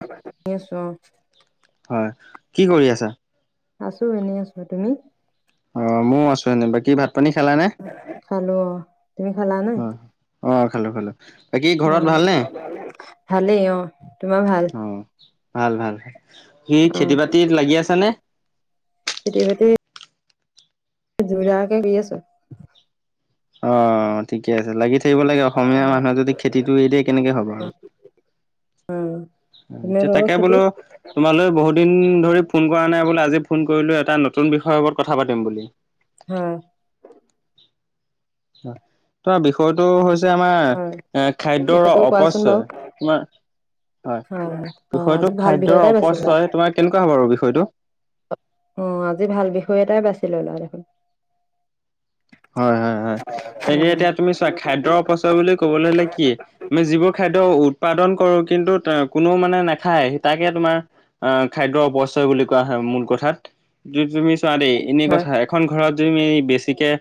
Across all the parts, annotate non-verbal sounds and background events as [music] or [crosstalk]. [unintelligible] আছো অ। হয়, কি কৰি আছা?। আছো এনেই আছো, তুমি?। অ', ময়ো আছো এনেই, বাকি ভাত পানী খালা নে?। খালো অ', তুমি খালা নে?। হয়। অ', খালো-খালো। বাকী অ ঘৰত ভালনে? ভালেই অ তোমাৰ ভাল অ', ভাল-ভাল, সি অ খেতি বাতিত লাগি আছ নে? খেতি বাতি যোৰাকে গৈ আছো। অ', ঠিকে আছে, লাগি থাকিব লাগে অসমীয়া মানুহে যদি খেতিটো এৰি দিয়ে কেনেকে হব আৰু। উম। [inaudible] এতিয়া তাকে বলো তোমালৈ বহু দিন ধৰি ফোন কৰা নাই বোলে আজি ফোন কৰিলো এটা নতুন বিষয়ৰ ওপৰত কথা পাতিম বুলি। হয়। [unintelligible] বিষয়তটো হৈছে আমাৰ হয় এ খাদ্যৰ বিষয়টো কোৱাচোন অপচয় বাৰু তোমাৰ হয়, অ বিষয়টো আজি ভাল বিষয় খাদ্যৰ এটাই বাচিলা অপচয় তোমাৰ কেনেকুৱা হব বাৰু বিষয়টো অ', আজি ভাল বিষয় এটাই বাছি লৈ ললা দেখোন হয়, হয়, হয়, তোকে উম এতিয়া তুমি চোৱা খাদ্যৰ অপচয় বুলি ক'বলৈ হলে কি তমি যিবোৰ খাদ্য উৎপাদন কৰোঁ কিন্তু কোনো মানে নাখায় তাকে তোমাৰ আহ খাদ্যৰ অপচয় বুলি কোৱা হয় মূল কথাত য তুমি চোৱা দেই এনেই হয় কথা এখন ঘৰত যমি বেছিকৈ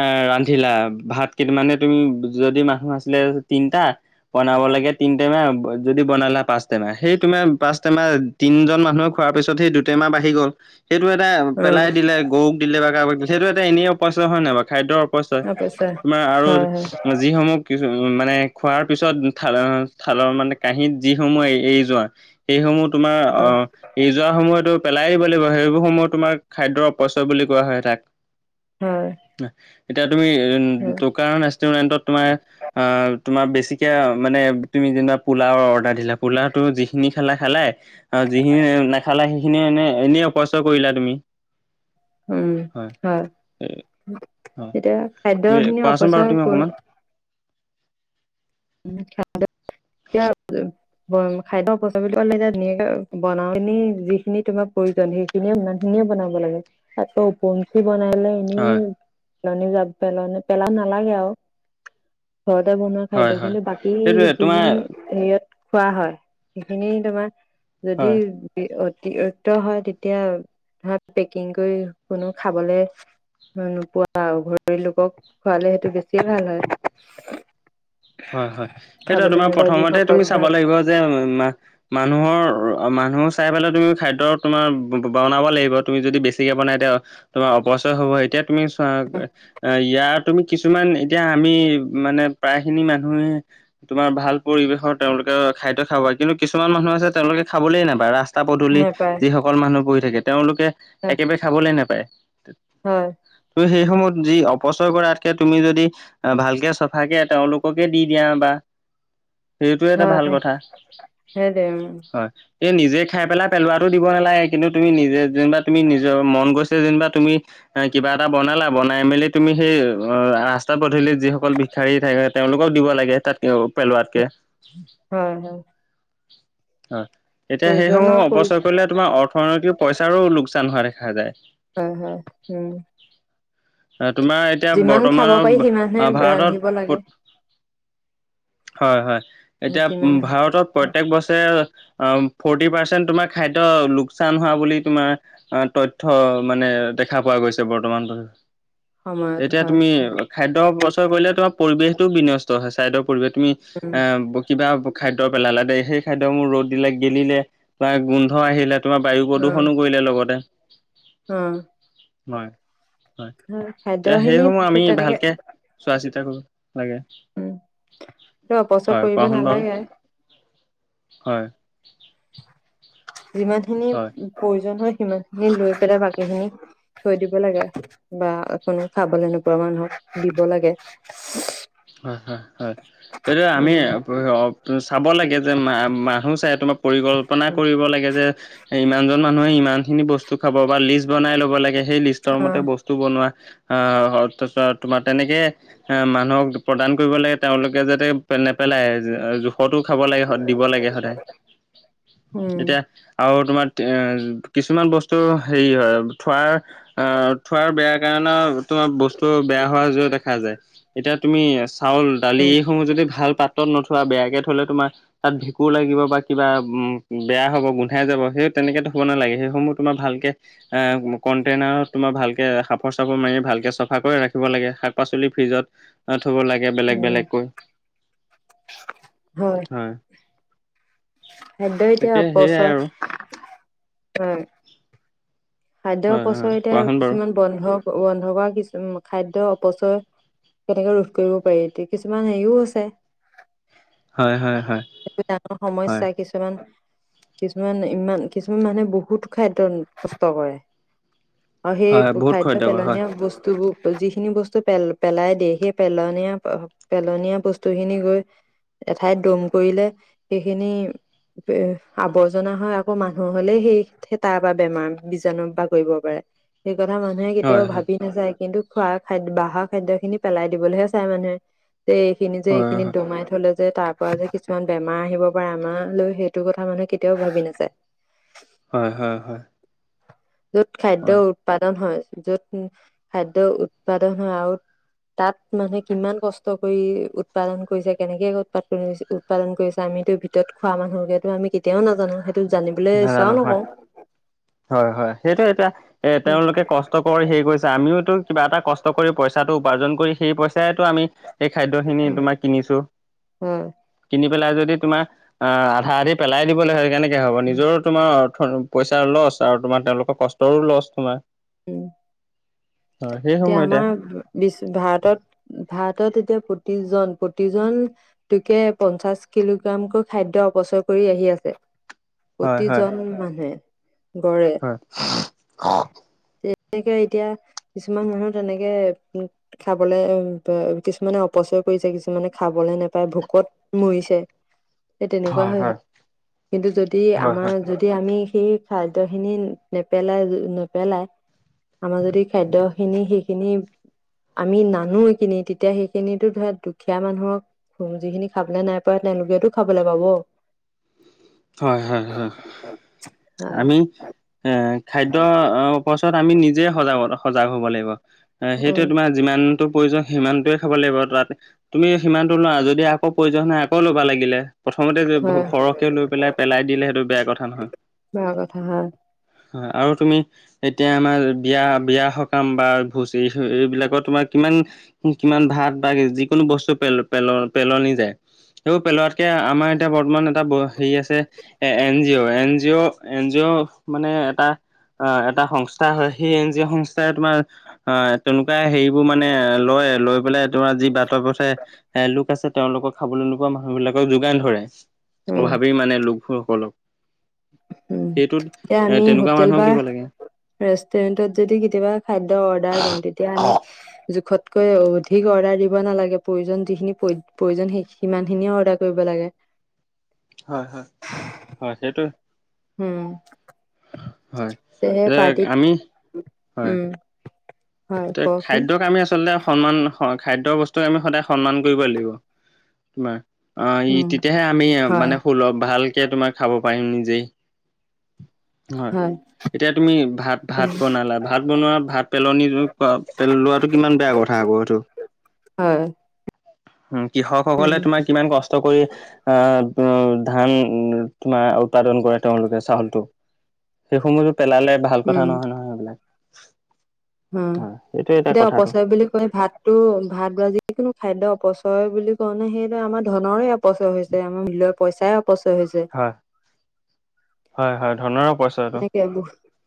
এ, ৰান্ধিলা ভাত কেই মানে তুমি যদি মানুহ আছিলে তিনটা বনাব লাগে তিন টেমা যদি বনালা পাঁচ টেমা সেই মে পাঁচ টেমাহ তিনজন মানুহে খোৱাৰ পিছত সেই দুই টেমা বাহি গল সেইটো এটা উম পেলাই দিলে গৰুক দিলে বা কাৰোবাক সেইটো এটা এনেই অপচা হয় নাই বাৰু খাদ্যৰ অপচয় তাৰপিছে তোমাৰ আৰু হয় হয় যিসমূহ কিছু মানে খোৱাৰ পিছত থাল থালৰ মানে কাঁহীত যিসমূহ এৰি যোৱা সেইসমূহ তোমাৰ হয় আহ, ই যোৱা সময়তো পেলাই দিব লাগিব সেইবোৰ সময়ত তোমাৰ খাদ্যৰ অপচয় বুলি কোৱা হয় তাক হয়, এতিয়া তুমি হয় দোকান ৰেষ্টতুৰেণ্টত তোমাৰ অ', তোমাৰ বেছিকে মানে, তুমি যেনিবা পোলা অৰ্ডাৰ দিলা পোলাো যিখিনি খালা খালে আৰু যিখিনি নাখালা সেইখিনিয় এনে এনেই অপচয় কৰিলা তুমি উম, হয় হয়, এতিয়া তুমি খাদ্যখিনি কোৱাচোন বাৰু অপচয় তুমি কৰি অকমান। [unintelligible] খাদ্য বুলি কলে এতিয়া ধুনীয়াকে বনাি যিখিনি তোমাৰ প্ৰয়োজন সেই সিমানখিনিয়ে বনাব লাগে আকৌ ঞ্চি বনাই লে হয়, পেলনি যাব পেল পেলা নালাগে আৰু ঘৰতে বনোৱা খাদ্য হয়, হয়, কিন্তু বাকী সেইটোৱে তোমাৰ যিখিনি হেৰিয়ত খোৱা হয় সেইখিনি তোমাৰ যদি হয়, অতিৰিক্ত হয়, তেতিয়া ধ পেকিং কৰি কোনো খাবলে নোপোৱা ঘৰ লোকক খোৱালে সেইটো বেছিয়ে ভাল হয় হয়, হয়, সেইটো খাবলৈ তোমাৰ নোপোৱা প্ৰথমতে যিসকল তুমি চাব ধৰা লাগিব যে মানুহৰ মানুহ চাই পেলাই তুমি খাদ্য তোমাৰ বনাব লাগিব তুমি যদি বেছিকে বনাই এতিয়া তোমাৰ অপচয় হব এতিয়া তুমি ইয়াৰ তুমি কিছুমান এতিয়া আমি মানে প্ৰায় খিনি মানুহে। তোমাৰ ভাল পৰিৱেশৰ তেওঁলোকে খাদ্য খাব কিন্তু কিছুমান মানুহ আছে তেওঁলোকে খাবলে নাপায় ৰাস্তা ৰাস্তা পদূলি নাপায় যিসকল মানুহ ব থাকে তেওঁলোকে একেবাৰে খাবলে নোপায়। হয়। তুমি সেই সময়ত যি অপচয় কৰাতকে তুমি যদি ভালকে চাফাকে তেওঁলোক পকে দি দিয়া বা, সেইটো এটা ভাল হয় কথা, সেইটোৱে উম। হয়। এই নিজে খাই পেলাই পেলোৱাটো দিব নালাগে কিন্তু তুমি নিজে যেনিবা তুমি নিজৰ মন গৈছে যেনিবা তুমি কিবা এটা বনালা বনাই মেলি তুমি সেই অ, ৰাস্তাত পধূলি যিসকল বিখাৰী থাকে। তেওঁলোকক দিব লাগে তাতক পেলোৱাতকে। হয়, হয়। হয় এতিয়া প্ৰয়োজনৰ সেইসমূহ প্ৰয়োজ অপচয় কৰিলে তোমাৰ অৰ্থনৈতিক পইচাৰো লোকচান হোৱা দেখা যায়। হয়, হয়। উম, তোমাৰ এতিয়া যিমান খাব পাৰি বৰ্তমানৰ সিমানহে ৰান্ধিব লাগে ভাৰতত হয় হয়, এতিয়া যিমান ভাৰতত প্ৰত্যেক বছৰ অ, ফৰ্টি পাৰ্চেণ্ট তোমাৰ খাদ্য লোকচান হোৱা বুলি তোমাৰ। আহ তথ্য মানে দেখা পোৱা গৈছে বৰ্তমান ত সময়ত এতিয়া হয় তুমি খাদ্য অপ্ৰচয় কৰিলে তোমাৰ পৰিৱেশ টো বিনষ্ট হয়। ছাইদৰ পৰিৱেশ তুমি উম এ কিবা খাদ্য পেলালে দেই, সেই খাদ্য মোৰ ৰ'দ দিলে গেলিলে বা গোন্ধ আহিলে। তোমাৰ বায়ু অ প্ৰদূষণো কৰিলে লগতে। অ, হয় হয়, এতিয়া খাদ্যখিনি সেইসমূহ সেই আমি তেনেকে ভালকে চোৱা চিতা কৰিব লাগে। উম সেইটো অপচয় হয় কৰিব কোৱাচোন বাৰু নালাগে হয়। যিমান খিনি হয় প্ৰয়োজন হয়, সিমান খিনি লৈ পেলাই বাকীখিনি থৈ দিব লাগে বা অ, কোনো খাবলৈ নোপোৱা মানুহক দিব লাগে। হয়, হয়, হয়, সেইটোৱে। আমি উম চাব লাগে যে মা মানুহ চাই তোমাক পৰিকল্পনা কৰিব লাগে যে ইমানজন মানুহে ইমান খিনি বস্তু খাব বা লিষ্ট বনাই ল'ব লাগে। সেই লিষ্টৰ অ মতে বস্তু বনোৱা, আহ' অ, তোমাৰ তেনেকেএ মানুহক প্ৰদান কৰিব লাগে। তেওঁলোকে যাতে নেপেলাই জোখ ফৰতো খাব লাগে দিব লাগে সদায়, উম এতিয়া আৰু তোমাৰ, কিছুমান বস্তু হেৰি হয়। থোৱাৰ আহ' থোৱাৰ বেয়া কাৰণে তোমাৰ বস্তু বেয়া হোৱা য দেখা যায়। এতিয়া তুমি চাউল দালি উম এইসমূহ যদি ভাল পাত্ৰত নথোৱা বেয়াকে থ'লে তোমাৰ তাত ভেকুৰ লাগিব বা কিবা উম বেয়া হব গোন্ধাই যাব, সেই তেনেকেত থব নালাগে। সেইসমূহ তোমাৰ ভালকে এ, কণ্টেইনাৰত তোমাৰ ভালকে সফৰ চফৰ মাৰি ভালকে চাফা কৰি ৰাখিব লাগে শাক পাচলি ফ্ৰিজত। থব লাগে। বেলেগ উম বেলেগকৈ হয়। খাদ্য এতিয়া তাকে সেইয়াই অপচয়, আৰু হয়। খাদ্য হয় হয় অপচয় এতিয়া কোৱাচোন বাৰু কিছুমান বন্ধ, বন্ধ কৰা কিছু খাদ্য অপচয়। কেনেকে ৰোধ কৰিব পাৰি এ কিছুমান হেৰিও আছে। হয় হয় হয় ডাঙৰ হয় সমস্যা কিছু কিছুমান, কিছুমান ইমান কিছুমান মানুহে বহুত খাদ্যয় নষ্ট কৰে। আৰু হয় সেই বহুত খাদ্য খৰিদ্দাৰ কৰে হয় পেলনীয়া বস্তুবোৰ যিখিনি বস্তু পেল পেলাই দিয়ে। সেই পেলনীয়া পেলনীয়া বস্তু খিনি গৈ এঠাইত দম কৰিলে সেইখিনি আৱৰ্জনা হয়। আকৌ মানুহৰ হলে সেইে তাৰ পৰা বেমাৰ। বীজাণু বা কৰিব পাৰে। সেই কথা মানুহে কেতিয়াও হয় ভাবি নাচাই কিন্তু খোৱা খাদ বাহৰ খাদ্য খিনি পেলাই দিবলৈহে চাই মানুহে, যে এইখিনি যে হয় হয় এইখিনি দমাই থলে যে তাৰ পৰা যে কিছুমান বেমাৰ আহিব পাৰে। আমাল লৈ সেইটো কথা মানুহে কেতিয়াও ভাবি নাযাই। [unintelligible] হ্য় হ্য় হ্য় য'ত খাদ্য উৎপাদন হয়। যত খাদ্যয় উৎপাদন হয় আৰু, তাত মানুহে কিমান কষ্ট কৰি উৎপাদন কৰিছে। কেনেকে উৎপাদন, উৎপাদন কৰিছে। আমিতো ভিতৰত খোৱা মানুহকেতো আমি কেতিয়াও নাজানো, সেইটো জানিবলৈ নাজানো ইচ্ছাও হয় নকৰোঁ। হয় হয় সেইটো এতিয়া, এ তেওঁলোকে কষ্ট কৰ সেৰি কৰিৈছে আমিওতো কিবা এটা কষ্ট কৰি পইচাটো উপাৰ্জন কৰি সেই পইচাইটো আমি [unintelligible] এইেই খাদ্যখিনি উম, তোমাৰ কিনিছো। কিনি পেলাই যদি তোমাৰ আ, আধা আধি পেলাই দিবলৈ হয়। কেনেকৈ হ'ব নিজৰো তোমাৰ অৰ্থ পইচাৰ লছ। আৰু তোমাৰ তেওঁলোকৰ কষ্টৰো লছ তোমাৰ, উম' হয় সেই এতিয়া সময়তে আমাৰ বিশ্ব ভাৰতত ভাৰতত এতিয়া প্ৰতিজন প্ৰতিজন [unintelligible] তোকে পঞ্চাশ কিলোগ্ৰামকৈ খাদ্য অপচয় কৰি আহি আছে। হয় হয় প্ৰতিজন মানুহে গড়ে। হয় তেনেকে এতিয়া কিছুমান মানুহ তেনেকে, উ খাবলে কিছুমানে অপচয় কৰিছে কিছুমানে খাবলে নাপাই। ভোকত মৰিছে সেই তেনেকুৱা হয় হৈছে। হয় কিন্তু যদি হয় আমাৰ যদি যদি আমি সেই খাদ্য খিনি নেপেলাই নেপেলাই আমাৰ যদি, খাদ্য খিনি সেইখিনি আমি নানো এইখিনি তেতিয়া সেইখিনিতো ধৰা দুখীয়া মানুহক খুম যিখিনি খাবলৈ নাই পায় তেওঁলোকেতটো খাবলৈ পাব। হয় হয় হয় হয় আমি এ খাদ্য চত আমি নিজে সজাগত সজাগ হ'ব লাগিব উম সেইটোয়ে তোমাৰ যিমানটো প্ৰয়োজন সিমানটোৱে খাব লাগিব তাত, তুমি সিমানটো লোৱা যদি আকৌ প্ৰয়োজন হয়ে আকৌ ল'বা লাগিলে। প্ৰথমতে হয় সৰহকে লৈ পেলাই পেলাই দিলে সেইটো বেয়া কথা নহয়। বেয়া কথা হয়। হয় আৰু তুমি এতিয়া আমাৰ বিয়া বিয়া সকাম বা ভোজ এই এইবিলাকত তোমাৰ কিমান কিমান ভাত বা যিকোনো বস্তু পেল পেল পেলনি যায়। এই পেলোৱাতকে আমাৰ এতিয়া বৰ্তমান এটা হেৰি আছে, এ N G O N G O N G O মানে এটা অ এটা সংস্থা হয় সেই এন জি অ' সংস্থাই তোমাৰ অ তেনেকুৱা হেৰিবোৰ মানে লয় লৈ পেলাই তোমাৰ যি বাট থ পথে এ লোক আছে তেওঁলোকক খাবলৈ নোপোৱা মানুহ বিলাকক যোগান ধৰে উম অ ভাবি মানে। সকলক [inaudible] উম এতিয়া এ আমি তেনেকুৱা হোটেল মানুহক বা দিব লাগে। ৰেষ্টুৰেন্টত যদি কেতিয়াবা খাদ্য অৰ্ডাৰ কৰো তেতিয়া আমি জোখত তকৈ অধিক অৰ্ডাৰ দিব নালাগে প্ৰয়োজন যিখিনি প্ৰয়োজন সেই সিমানখিনিয়ে অৰ্ডাৰ কৰিব লাগে। হয় হয় হয় সেইটোৱে। হম, হয়, এ পাৰ্টিত আমি হয়। উম হয় এতি কওকচোন খাদ্যক আমি আচলতে সন্মান হয় খাদ্য বস্তু আমি সদায় সন্মান কৰিব লাগিব। তোমাৰ, অ ই উম তেতিয়াহে আমি হয় মানে সুলভ ভালকে তোমাৰ খাব পাৰিম নিজেই। হয়। এতিয়া তুমি ভাত ভাত বনালা ভাত বনোৱা ভাত পেলনি লোৱাতটো কিমান বেয়া কথা। খ হব আৰু [unintelligible] হয়, উ উম কৃষকসকলে তোমাৰ কিমান কষ্ট কৰি আহ ধানা উৎপাদন কৰে তেওঁলোকে। সেইসমূহতটো পেলালে ভাল কথা উম নহয় নহয় সেইবিলাক। অ হয় সেইটোৱে এটা এতিয়া কথাটো অপচয় বুলি কৈ ভাত টো ভাত বা যিকোনো খাদ্য অপচয় বুলি কওঁ নে সেইটোে আমাৰ ধনৰৰে অপচয় হৈছে আমাৰ মিলৰ পইচাই অপচয় হৈছে। হয় হয় হয় ধনৰো পইচা এইটো। সকে আবো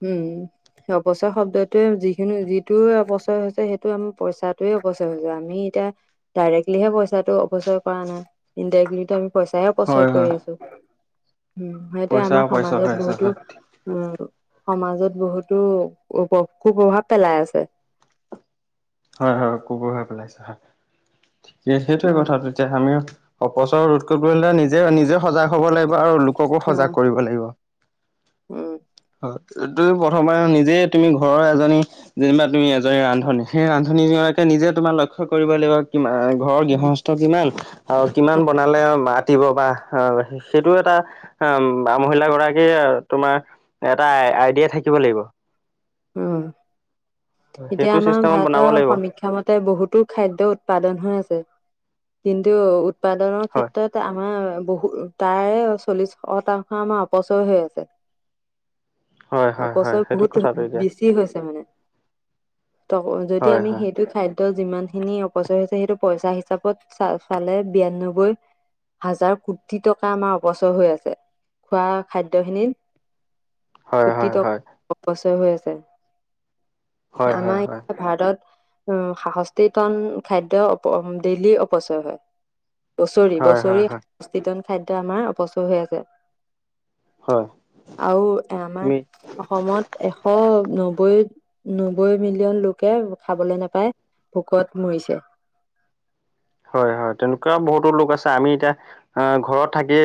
উম [inaudible] সেই অপচয় শব্দটোৱে যিখিনি যিটোৱে অপচয় হৈছে সেইটো আমাৰ পইচটোৱে অপচয় হৈছে, আমি এতিয়া ডাইৰেক্টলিহে পইচাটো অৱচয় কৰা নাই ইনডাইৰেক্টলিটো আমি পইচাইে পচয় হয় কৰি হয় আছো উ সেইটো পইচা আমাৰ পইচা হৈ সমাজত আছে বহুতো হয় উ সমাজত বহুতো খোঁ প্ৰভাৱ পেলাই আছে। হয় হয় কবৰ হৈ পেলাইছ হয় কি, সেইটোৱে উম কথা তেতিয়া আমিও অপচ ৰোধ কৰিবলে নিজে নিজে সজাগ হ'ব লাগিব, আৰু লোককো অ সজাগ কৰিব লাগিব। উম এই প্ৰথমাৰ নিজে তুমি ঘৰৰ এজনী যেনিবা তুমি এজনী ৰান্ধনী সেই ৰান্ধনী দুৰাকে নিজে তোমাৰ লক্ষ্য কৰিব লাগিব কি ঘৰৰ উম গৃহস্থ কিমান আৰু কিমান বনালে মতিব বা অ সেইটো এটা হ মহিলা গৰাকীৰ তোমাৰ এটা আইডিয়া থাকিব লাগিব। উ এতিয়া সেইটো আমাৰ চিষ্টেমত বনাব ভাৰতৰ লাগিব সমীক্ষাামতে বহুতো খাদ্্য উৎপাদন হৈ আছে কিন্তু উৎপাদনৰ হয় ক্ষেত্ৰত আমাৰ বহুত উ তাৰে চল্লিশ শতাংশ আমাৰ অপচয় হৈ আছে হয় অ হয় হয় ফচল সেইটো বহুত কথাটো এতিয়া বেছি হৈছে মানে ত যদি হয় আমি হয় সেইটো খাদ্য যিমান খিনি অপচয় হৈছে সেইটো পইচা হিচাপত চ চালে বিয়নব্বৈ হাজাৰ কোটি টকা আমাৰ অপচয় হৈ আছে খোৱা খাদ্যখিনিত হয় কোটি হয় হয় টকা বচৰ হৈ আছে হয় হয় আমাৰ হয় এয়া ভাৰত উ সষষ্ঠি টন খাদ্্য অ ডেইলি অপচয় হয় বছৰি হয় হয় হয় বছৰিন খাদ্য আমাৰ অপচয় হৈ আছে হয় আৰু এ তুমি আমাৰ অসমত এশ নব্বৈ নব্বৈ মিলিয়ন লোকে খাবলৈ নোপায় ভোকত মৰিছে হয় হয় তেনেকুৱাও বহুতো লোক আছে আমি এতিয়া আহ ঘৰত থাকি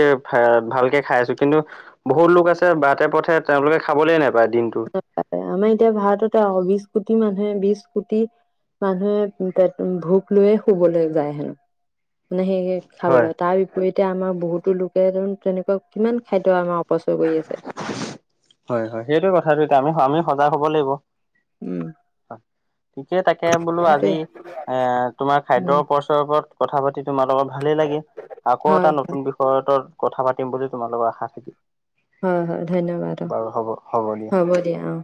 ভালকে খাই আছো কিন্তু বহুত লোক আছে বতে পথে তেওঁলোকে খাবলে নোপায় দিনটো আমাৰ এতিয়া ভাৰততে আহ বিশ কোটি মানুহে বিশ কোটি মানুহে পে ভোক লৈয়ে শুবলৈ যায় হেনো মানে সেই হয় খাবলৈ তাৰ এতিয়া আমাৰ বহুতো লোকে তেনেকুৱা কিমান খাদ্য আমাৰ অপচয় কৰি আছে হয় হয় সেইটো কথাটো এতিয়া আমি আমি সজাগ হ'ব লাগিব উম হয় িকেই তাকে বোলো সেইটোৱে আজি এ তোমাৰ উম খাদ্যৰপ ওপৰত কথা পাতি তোমাল লগৰ ভালেই লাগে আকৌ এটা হয় নতুন বিষয় কথা পাতিম বুলি তোমালোকৰ আশা থাকি হয় হয় ধন্যবাদ হব দিয়া অ